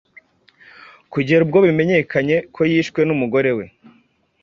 kugera ubwo bimenyekanye ko yishwe n’umugore we,